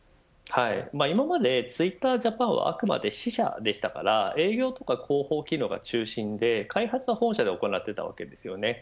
今までツイッタージャパンはあくまで支社でしたから営業とか広報機能が中心で開発は本社で行っていたわけですよね。